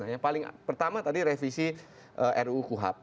yang paling pertama tadi revisi ruu kuhap